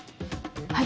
はい。